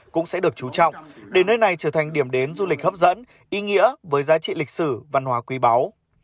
cũng sẽ được chú trọng để nơi này trở thành điểm đến du lịch hấp dẫn ý nghĩa với giá trị lịch sử văn hóa quý báu